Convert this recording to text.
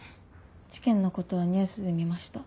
事件の事はニュースで見ました。